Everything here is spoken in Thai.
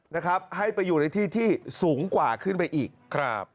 นะครับให้ไปอยู่ในที่ที่สูงกว่าขึ้นไปอีกครับ